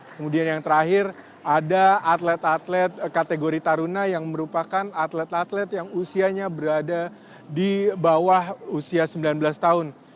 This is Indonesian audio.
kemudian yang terakhir ada atlet atlet kategori taruna yang merupakan atlet atlet yang usianya berada di bawah usia sembilan belas tahun